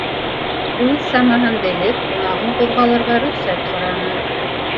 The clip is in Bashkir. Үҙ самаһын белеп, ҡунағым ҡуҙғалырға рөхсәт һораны.